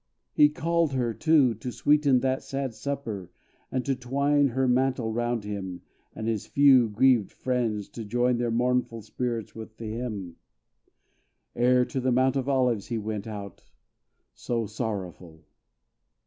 He called her, too, To sweeten that sad supper, and to twine Her mantle round him, and his few, grieved friends To join their mournful spirits with the hymn, Ere to the Mount of Olives he went out So sorrowful.